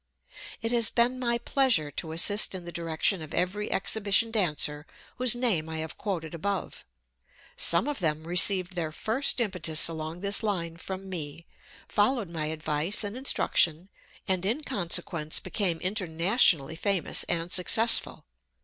It has been my pleasure to assist in the direction of every exhibition dancer whose name I have quoted above. Some of them received their first impetus along this line from me, followed my advice and instruction, and in consequence became internationally famous and successful.